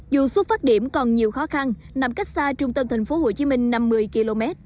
dù xuất phát điểm còn nhiều khó khăn nằm cách xa trung tâm tp hcm năm mươi km